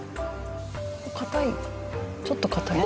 硬いちょっと硬い。